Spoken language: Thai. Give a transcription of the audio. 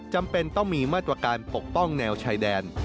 จำเป็นต้องมีมาตรการปกป้องแนวชายแดน